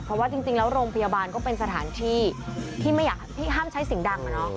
เพราะว่าจริงแล้วโรงพยาบาลก็เป็นสถานที่ที่ห้ามใช้สิ่งดังนะเนาะ